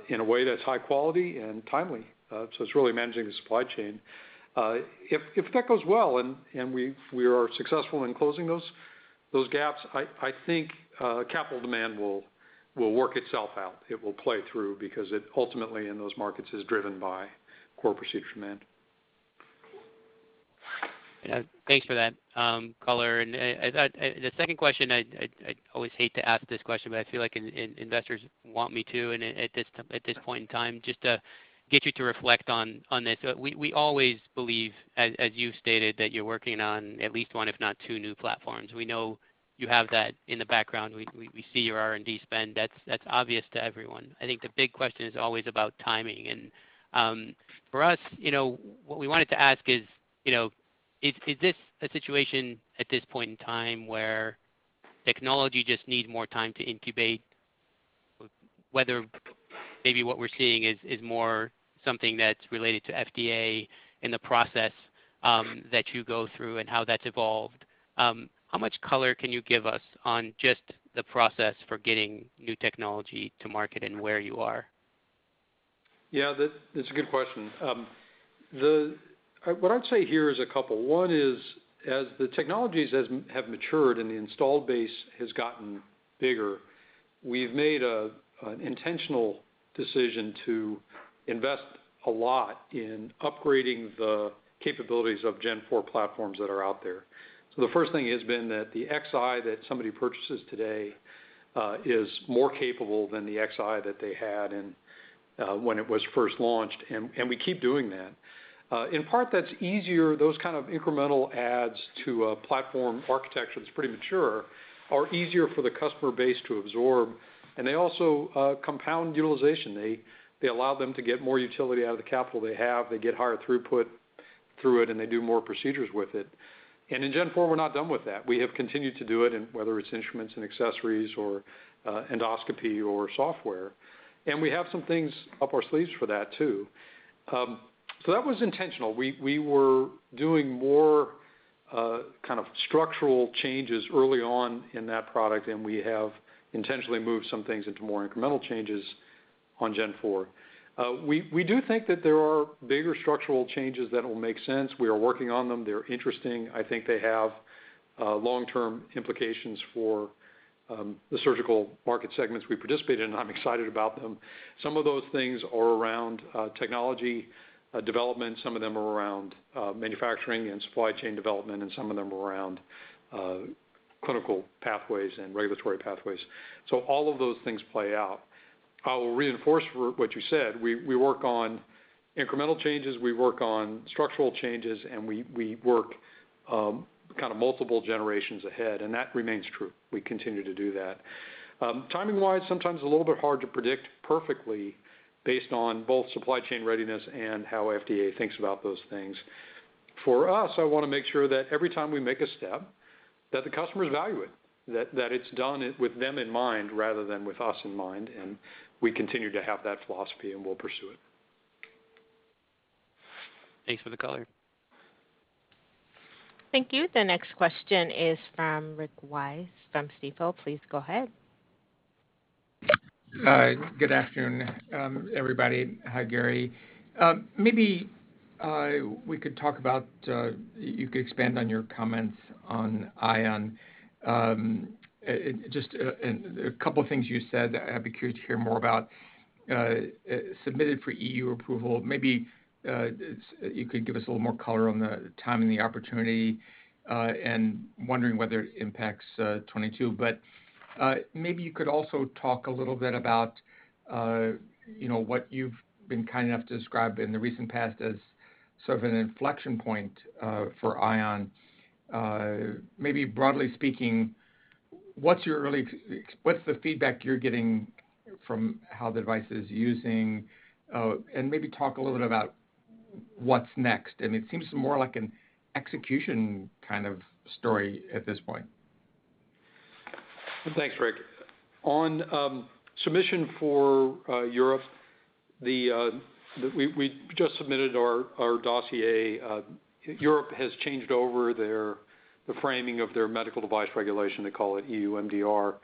in a way that's high quality and timely. It's really managing the supply chain. If that goes well and we are successful in closing those gaps, I think capital demand will work itself out. It will play through because it ultimately in those markets is driven by core procedure demand. Yeah. Thanks for that, color. The second question, I always hate to ask this question, but I feel like investors want me to and at this point in time, just to get you to reflect on this. We always believe, as you stated, that you're working on at least one, if not two new platforms. We know you have that in the background. We see your R&D spend. That's obvious to everyone. I think the big question is always about timing. For us, you know, what we wanted to ask is, you know, is this a situation at this point in time where technology just needs more time to incubate? Whether maybe what we're seeing is more something that's related to FDA and the process that you go through and how that's evolved. How much color can you give us on just the process for getting new technology to market and where you are? Yeah, that's a good question. What I'd say here is a couple. One is, as the technologies have matured and the installed base has gotten bigger, we've made an intentional decision to invest a lot in upgrading the capabilities of Gen 4 platforms that are out there. The first thing has been that the Xi that somebody purchases today is more capable than the Xi that they had when it was first launched, and we keep doing that. In part, that's easier, those kind of incremental adds to a platform architecture that's pretty mature are easier for the customer base to absorb, and they also compound utilization. They allow them to get more utility out of the capital they have. They get higher throughput through it, and they do more procedures with it. In Gen 4, we're not done with that. We have continued to do it, whether it's instruments and accessories or endoscopy or software. We have some things up our sleeves for that too. That was intentional. We were doing more kind of structural changes early on in that product than we have intentionally moved some things into more incremental changes on Gen 4. We do think that there are bigger structural changes that will make sense. We are working on them. They're interesting. I think they have long-term implications for the surgical market segments we participate in. I'm excited about them. Some of those things are around technology development, some of them are around manufacturing and supply chain development, and some of them are around clinical pathways and regulatory pathways. All of those things play out. I will reinforce for what you said, we work on incremental changes, we work on structural changes, and we work kind of multiple generations ahead, and that remains true. We continue to do that. Timing-wise, sometimes a little bit hard to predict perfectly based on both supply chain readiness and how FDA thinks about those things. For us, I wanna make sure that every time we make a step, that the customers value it, that it's done it with them in mind rather than with us in mind, and we continue to have that philosophy and we'll pursue it. Thanks for the color. Thank you. The next question is from Rick Wise from Stifel. Please go ahead. Hi. Good afternoon, everybody. Hi, Gary. Maybe we could talk about you could expand on your comments on Ion. Just and a couple of things you said that I'd be curious to hear more about. Submitted for E.U. approval. Maybe you could give us a little more color on the time and the opportunity, and wondering whether it impacts 2022. But maybe you could also talk a little bit about you know what you've been kind enough to describe in the recent past as sort of an inflection point for Ion. Maybe broadly speaking, what's the feedback you're getting from how the device is using? And maybe talk a little bit about what's next. It seems more like an execution kind of story at this point. Thanks, Rick. On submission for Europe, we just submitted our dossier. Europe has changed over their framing of their medical device regulation. They call it EU MDR.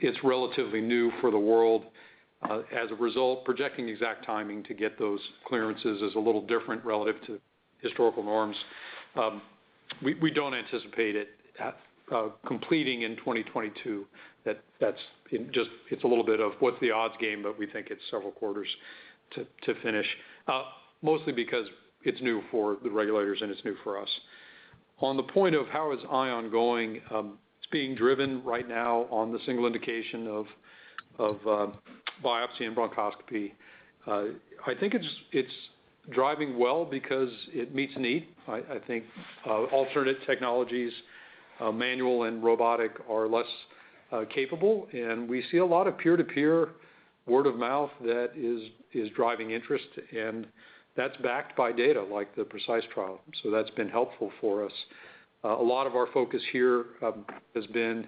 It's relatively new for the world. As a result, projecting the exact timing to get those clearances is a little different relative to historical norms. We don't anticipate it completing in 2022. That's just—it's a little bit of what's the odds game, but we think it's several quarters to finish. Mostly because it's new for the regulators and it's new for us. On the point of how Ion is going, it's being driven right now on the single indication of biopsy and bronchoscopy. I think it's driving well because it meets a need. I think alternate technologies, manual and robotic are less capable. We see a lot of peer-to-peer word of mouth that is driving interest, and that's backed by data like the PRECIsE trial. That's been helpful for us. A lot of our focus here has been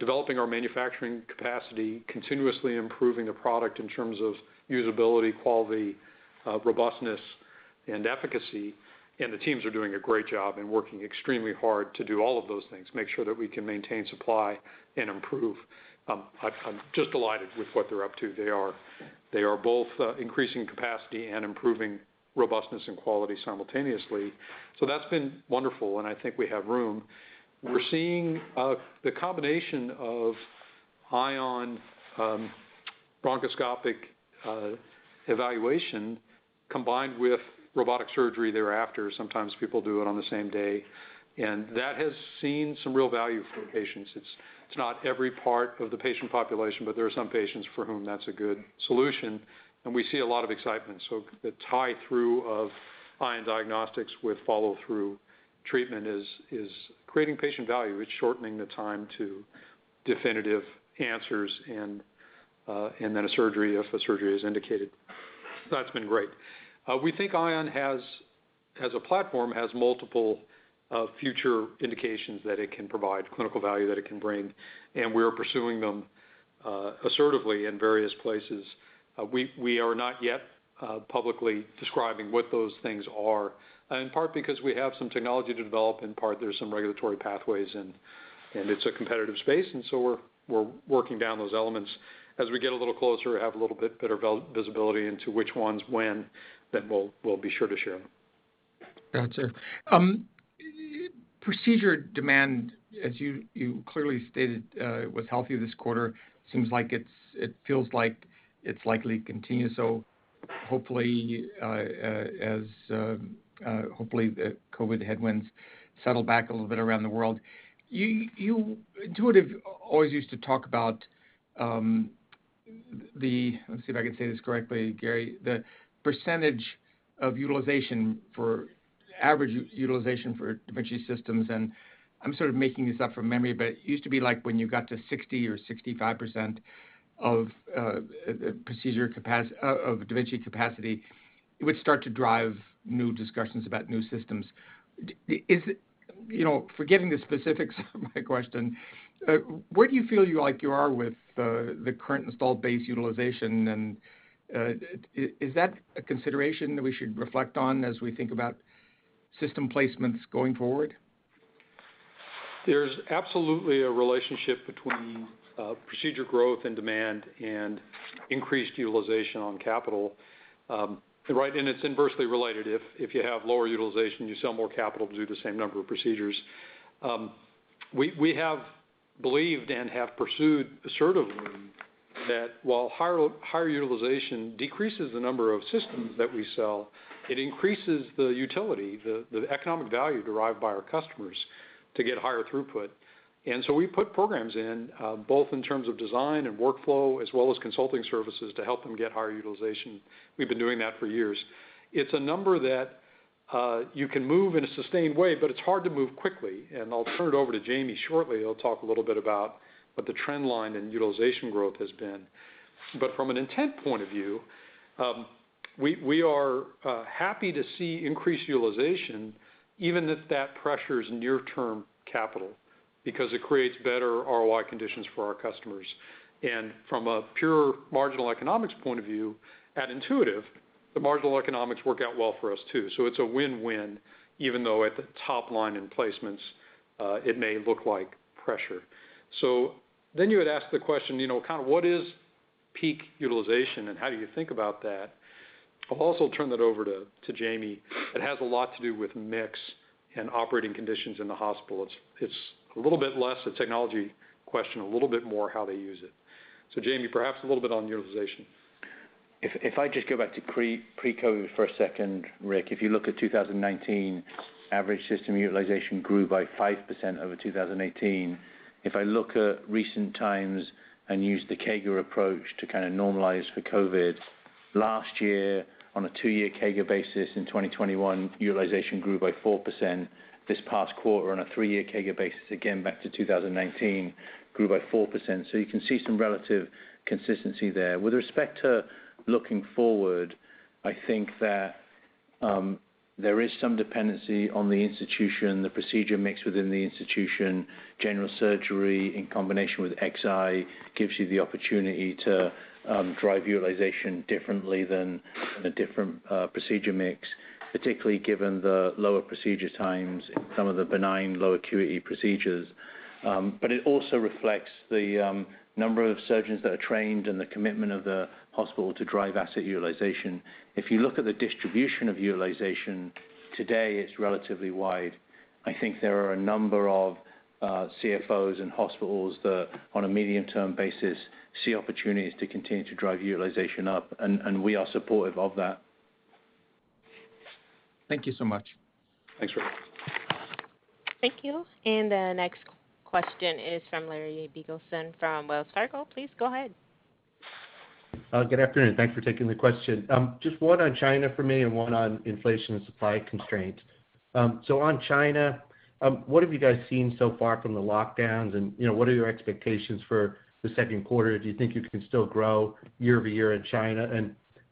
developing our manufacturing capacity, continuously improving the product in terms of usability, quality, robustness and efficacy. The teams are doing a great job and working extremely hard to do all of those things, make sure that we can maintain supply and improve. I'm just delighted with what they're up to. They are both increasing capacity and improving robustness and quality simultaneously. That's been wonderful, and I think we have room. We're seeing the combination of Ion bronchoscopic evaluation combined with robotic surgery thereafter. Sometimes people do it on the same day, and that has seen some real value for patients. It's not every part of the patient population, but there are some patients for whom that's a good solution, and we see a lot of excitement. The tie-through of Ion diagnostics with follow-through treatment is creating patient value. It's shortening the time to definitive answers and then a surgery if the surgery is indicated. That's been great. We think Ion, as a platform, has multiple future indications that it can provide, clinical value that it can bring, and we're pursuing them assertively in various places. We are not yet publicly describing what those things are, in part because we have some technology to develop, in part there's some regulatory pathways and it's a competitive space. We're working down those elements. As we get a little closer, we'll have a little bit better visibility into which ones when, then we'll be sure to share them. Gotcha. Procedure demand, as you clearly stated, was healthy this quarter. It seems like it's likely to continue. Hopefully the COVID headwinds settle back a little bit around the world. Intuitive always used to talk about. Let's see if I can say this correctly, Gary. The percentage of utilization for average utilization for da Vinci systems, and I'm sort of making this up from memory, but it used to be like when you got to 60 or 65% of procedure capacity of da Vinci capacity, it would start to drive new discussions about new systems. Is it you know, forgiving the specifics of my question, where do you feel you are with the current installed base utilization? Is that a consideration that we should reflect on as we think about system placements going forward? There's absolutely a relationship between procedure growth and demand and increased utilization on capital. Right, and it's inversely related. If you have lower utilization, you sell more capital to do the same number of procedures. We have believed and have pursued assertively that while higher utilization decreases the number of systems that we sell, it increases the utility, the economic value derived by our customers to get higher throughput. We put programs in both in terms of design and workflow, as well as consulting services to help them get higher utilization. We've been doing that for years. It's a number that you can move in a sustained way, but it's hard to move quickly. I'll turn it over to Jamie shortly, he'll talk a little bit about what the trend line in utilization growth has been. From an intent point of view, we are happy to see increased utilization, even if that pressures near term capital, because it creates better ROI conditions for our customers. From a pure marginal economics point of view, at Intuitive, the marginal economics work out well for us too. It's a win-win, even though at the top line in placements, it may look like pressure. You had asked the question, you know, kind of what is peak utilization and how do you think about that? I'll also turn that over to Jamie. It has a lot to do with mix and operating conditions in the hospital. It's a little bit less a technology question, a little bit more how they use it. Jamie, perhaps a little bit on utilization. If I just go back to pre-COVID for a second, Rick. If you look at 2019, average system utilization grew by 5% over 2018. If I look at recent times and use the CAGR approach to kind of normalize for COVID, last year on a two-year CAGR basis in 2021, utilization grew by 4% this past quarter on a three-year CAGR basis, again back to 2019, grew by 4%. You can see some relative consistency there. With respect to looking forward, I think that there is some dependency on the institution, the procedure mix within the institution. General surgery in combination with Xi gives you the opportunity to drive utilization differently than a different procedure mix, particularly given the lower procedure times in some of the benign low acuity procedures. It also reflects the number of surgeons that are trained and the commitment of the hospital to drive asset utilization. If you look at the distribution of utilization today, it's relatively wide. I think there are a number of CFOs and hospitals that on a medium-term basis see opportunities to continue to drive utilization up, and we are supportive of that. Thank you so much. Thanks, Rick. Thank you. The next question is from Larry Biegelsen from Wells Fargo. Please go ahead. Good afternoon. Thanks for taking the question. Just one on China for me and one on inflation and supply constraints. So on China, what have you guys seen so far from the lockdowns? You know, what are your expectations for the second quarter? Do you think you can still grow year-over-year in China?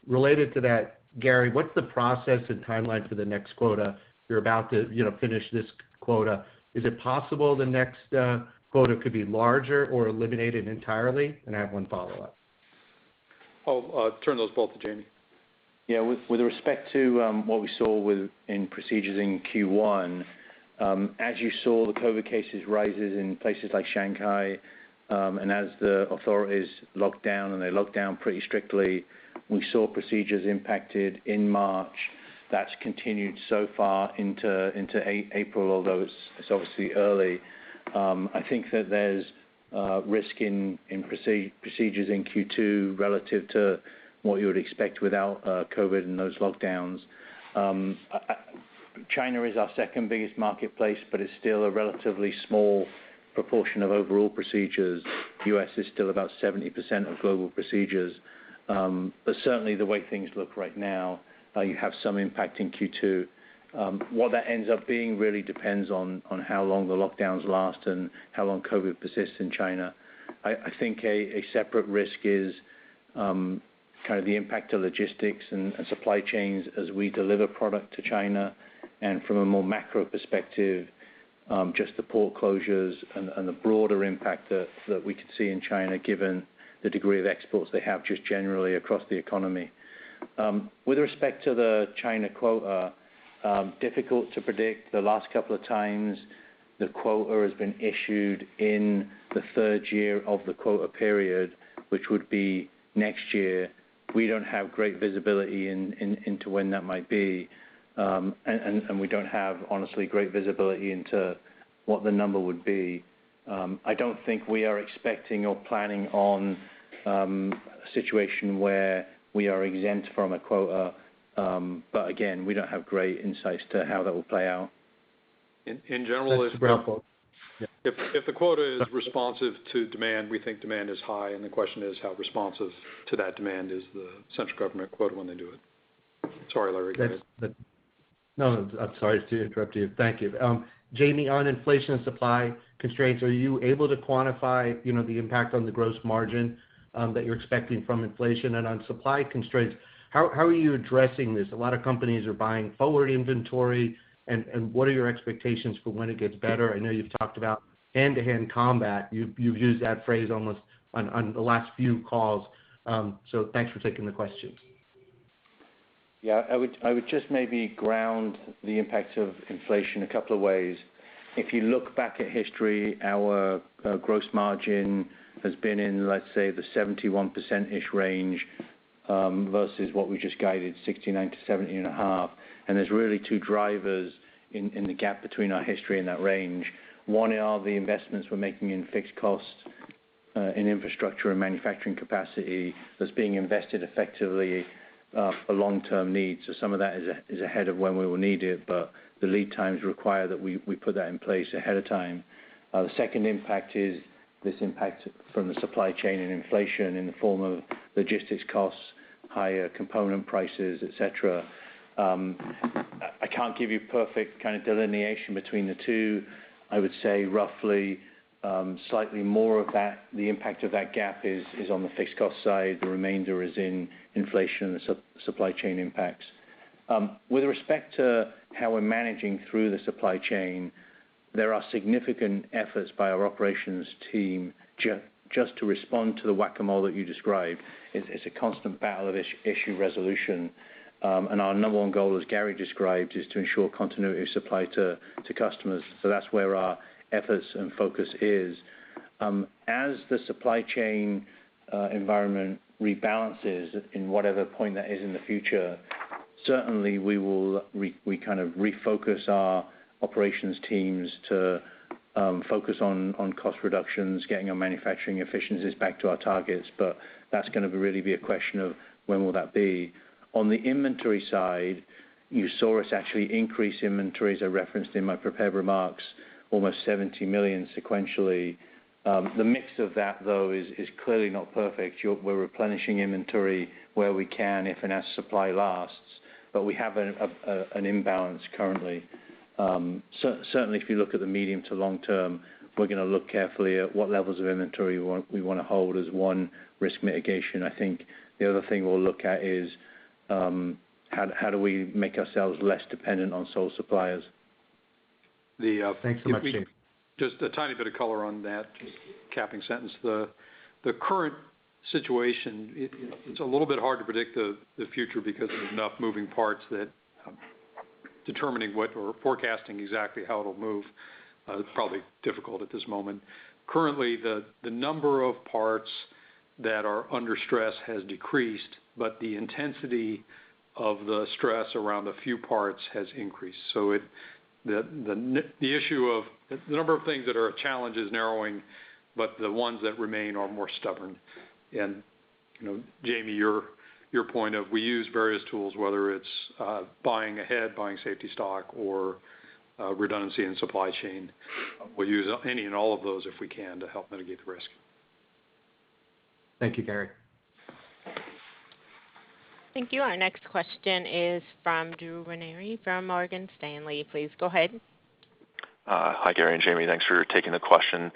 Related to that, Gary, what's the process and timeline for the next quota? You're about to, you know, finish this quota. Is it possible the next quota could be larger or eliminated entirely? I have one follow-up. I'll turn those both to Jamie. Yeah. With respect to what we saw within procedures in Q1, as you saw the COVID cases rise in places like Shanghai, and as the authorities locked down, and they locked down pretty strictly, we saw procedures impacted in March. That's continued so far into April, although it's obviously early. I think that there's risk in procedures in Q2 relative to what you would expect without COVID and those lockdowns. China is our second biggest marketplace, but it's still a relatively small proportion of overall procedures. U.S. is still about 70% of global procedures. But certainly the way things look right now, you have some impact in Q2. What that ends up being really depends on how long the lockdowns last and how long COVID persists in China. I think a separate risk is kind of the impact to logistics and supply chains as we deliver product to China. From a more macro perspective, just the port closures and the broader impact that we could see in China given the degree of exports they have just generally across the economy. With respect to the China quota, difficult to predict. The last couple of times the quota has been issued in the third year of the quota period, which would be next year. We don't have great visibility into when that might be. We don't have, honestly, great visibility into what the number would be. I don't think we are expecting or planning on a situation where we are exempt from a quota. Again, we don't have great insights to how that will play out. In general. That's helpful. If the quota is responsive to demand, we think demand is high, and the question is how responsive to that demand is the central government quota when they do it. Sorry, Larry, go ahead. No, I'm sorry to interrupt you. Thank you. Jamie, on inflation supply constraints, are you able to quantify, you know, the impact on the gross margin, that you're expecting from inflation? On supply constraints, how are you addressing this? A lot of companies are buying forward inventory. What are your expectations for when it gets better? I know you've talked about hand-to-hand combat. You've used that phrase almost on the last few calls. Thanks for taking the questions. Yeah. I would just maybe ground the impact of inflation a couple of ways. If you look back at history, our gross margin has been in, let's say, the 71%-ish range versus what we just guided, 69%-70.5%. There's really two drivers in the gap between our history and that range. One are the investments we're making in fixed cost in infrastructure and manufacturing capacity that's being invested effectively for long-term needs. Some of that is ahead of when we will need it, but the lead times require that we put that in place ahead of time. The second impact is this impact from the supply chain and inflation in the form of logistics costs, higher component prices, et cetera. I can't give you perfect kind of delineation between the two. I would say roughly, slightly more of that, the impact of that gap is on the fixed cost side. The remainder is in inflation and supply chain impacts. With respect to how we're managing through the supply chain, there are significant efforts by our operations team just to respond to the whack-a-mole that you described. It's a constant battle of issue resolution. Our number one goal, as Gary described, is to ensure continuity of supply to customers. That's where our efforts and focus is. As the supply chain environment rebalances in whatever point that is in the future, certainly we will kind of refocus our operations teams to focus on cost reductions, getting our manufacturing efficiencies back to our targets. That's gonna really be a question of when will that be? On the inventory side, you saw us actually increase inventories. I referenced in my prepared remarks almost $70 million sequentially. The mix of that though is clearly not perfect. We're replenishing inventory where we can if and as supply lasts, but we have an imbalance currently. Certainly if you look at the medium to long term, we're gonna look carefully at what levels of inventory we want, we wanna hold as one risk mitigation. I think the other thing we'll look at is, how do we make ourselves less dependent on sole suppliers? Thanks so much, Jamie. Just a tiny bit of color on that capping sentence. The current situation, it's a little bit hard to predict the future because there's enough moving parts that determining what or forecasting exactly how it'll move is probably difficult at this moment. Currently, the number of parts that are under stress has decreased, but the intensity of the stress around the few parts has increased. The number of things that are a challenge is narrowing, but the ones that remain are more stubborn. You know, Jamie, your point is we use various tools, whether it's buying ahead, buying safety stock, or redundancy in supply chain, we'll use any and all of those if we can to help mitigate the risk. Thank you, Gary. Thank you. Our next question is from Drew Ranieri from Morgan Stanley. Please go ahead. Hi, Gary and Jamie. Thanks for taking the question.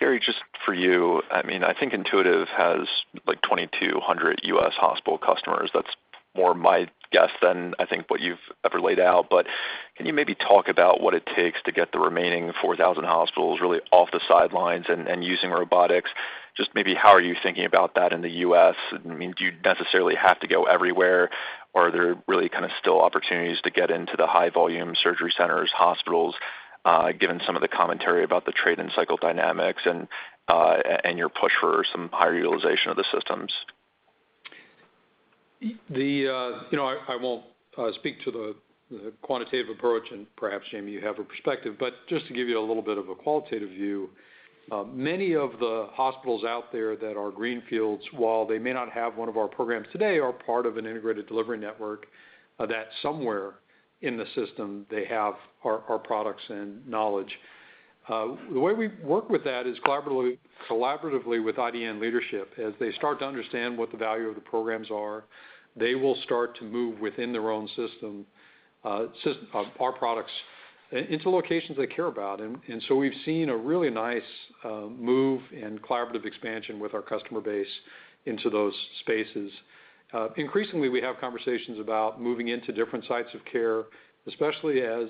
Gary, just for you, I mean, I think Intuitive has like 2,200 U.S. hospital customers. That's more my guess than I think what you've ever laid out. Can you maybe talk about what it takes to get the remaining 4,000 hospitals really off the sidelines and using robotics? Just maybe how are you thinking about that in the U.S.? I mean, do you necessarily have to go everywhere? Or are there really kinda still opportunities to get into the high volume surgery centers, hospitals, given some of the commentary about the trade and cycle dynamics and your push for some higher utilization of the systems? You know, I won't speak to the quantitative approach, and perhaps, Jamie, you have a perspective. Just to give you a little bit of a qualitative view, many of the hospitals out there that are greenfields, while they may not have one of our programs today, are part of an integrated delivery network that somewhere in the system they have our products and knowledge. The way we work with that is collaboratively with IDN leadership. As they start to understand what the value of the programs are, they will start to move within their own system our products into locations they care about. We've seen a really nice move and collaborative expansion with our customer base into those spaces. Increasingly, we have conversations about moving into different sites of care, especially as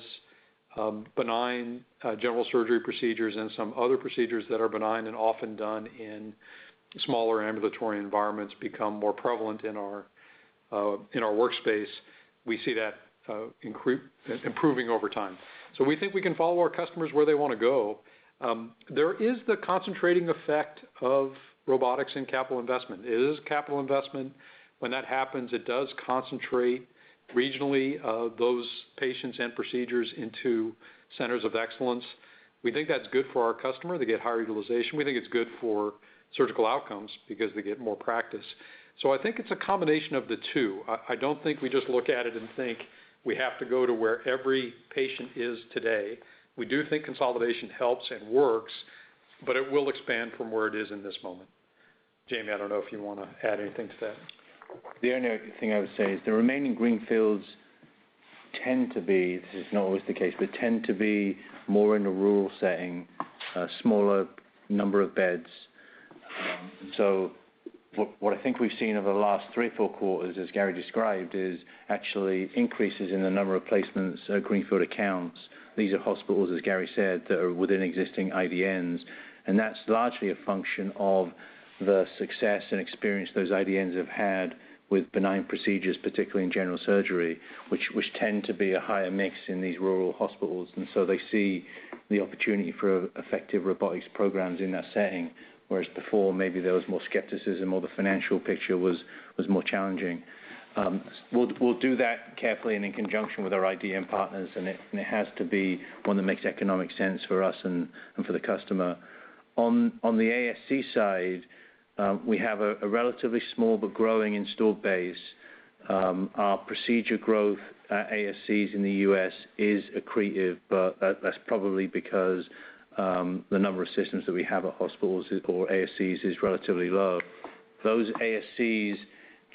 benign general surgery procedures and some other procedures that are benign and often done in smaller ambulatory environments become more prevalent in our workspace. We see that improving over time. We think we can follow our customers where they wanna go. There is the concentrating effect of robotics in capital investment. It is capital investment. When that happens, it does concentrate regionally those patients and procedures into centers of excellence. We think that's good for our customer. They get higher utilization. We think it's good for surgical outcomes because they get more practice. I think it's a combination of the two. I don't think we just look at it and think we have to go to where every patient is today. We do think consolidation helps and works, but it will expand from where it is in this moment. Jamie, I don't know if you wanna add anything to that? The only thing I would say is the remaining greenfields tend to be, this is not always the case, but tend to be more in a rural setting, smaller number of beds. So what I think we've seen over the last 3-4 quarters, as Gary described, is actually increases in the number of placements of greenfield accounts. These are hospitals, as Gary said, that are within existing IDNs, and that's largely a function of the success and experience those IDNs have had with benign procedures, particularly in general surgery, which tend to be a higher mix in these rural hospitals. They see the opportunity for effective robotics programs in that setting, whereas before, maybe there was more skepticism or the financial picture was more challenging. We'll do that carefully and in conjunction with our IDN partners, and it has to be one that makes economic sense for us and for the customer. On the ASC side, we have a relatively small but growing installed base. Our procedure growth at ASCs in the U.S. is accretive, but that's probably because the number of systems that we have at hospitals or ASCs is relatively low. Those ASCs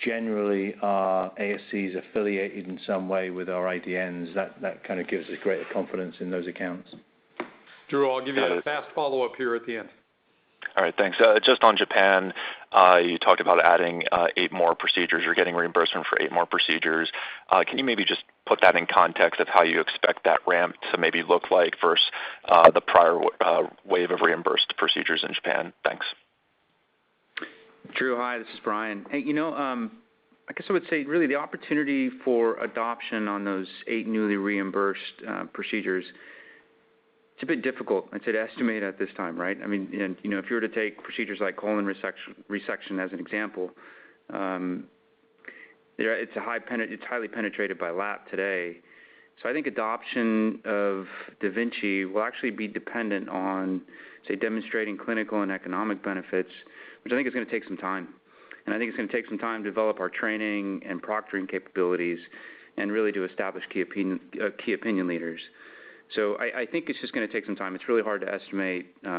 generally are ASCs affiliated in some way with our IDNs. That kinda gives us greater confidence in those accounts. Drew, I'll give you a fast follow-up here at the end. All right. Thanks. Just on Japan, you talked about adding eight more procedures. You're getting reimbursement for eight more procedures. Can you maybe just put that in context of how you expect that ramp to maybe look like versus the prior wave of reimbursed procedures in Japan? Thanks. Drew, hi. This is Brian. Hey, you know, I guess I would say really the opportunity for adoption on those eight newly reimbursed procedures, it's a bit difficult I'd say to estimate at this time, right? I mean, you know, if you were to take procedures like colon resection as an example, you know, it's highly penetrated by lap today. So I think adoption of da Vinci will actually be dependent on, say, demonstrating clinical and economic benefits, which I think is gonna take some time. I think it's gonna take some time to develop our training and proctoring capabilities and really to establish key opinion leaders. So I think it's just gonna take some time. It's really hard to estimate, you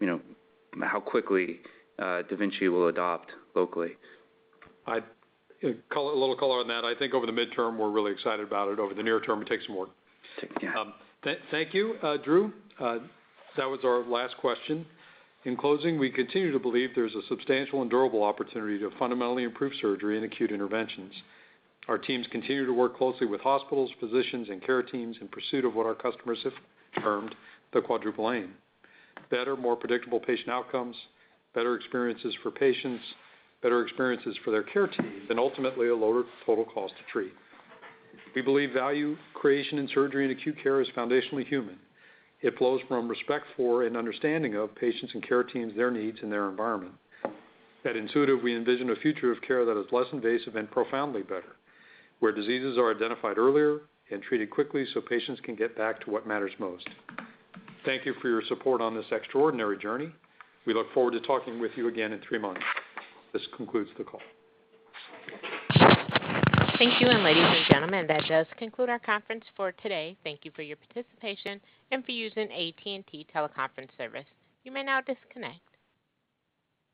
know, how quickly da Vinci will adopt locally. A little color on that. I think over the midterm, we're really excited about it. Over the near term, it takes some work. Yeah. Thank you, Drew. That was our last question. In closing, we continue to believe there's a substantial and durable opportunity to fundamentally improve surgery and acute interventions. Our teams continue to work closely with hospitals, physicians, and care teams in pursuit of what our customers have termed the quadruple aim, better, more predictable patient outcomes, better experiences for patients, better experiences for their care team, and ultimately, a lower total cost to treat. We believe value creation in surgery and acute care is foundationally human. It flows from respect for and understanding of patients and care teams, their needs, and their environment. At Intuitive, we envision a future of care that is less invasive and profoundly better, where diseases are identified earlier and treated quickly so patients can get back to what matters most. Thank you for your support on this extraordinary journey. We look forward to talking with you again in three months. This concludes the call. Thank you. Ladies and gentlemen, that does conclude our conference for today. Thank you for your participation and for using AT&T Teleconference Service. You may now disconnect.